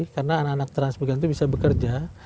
karena anak anak trans begini bisa bekerja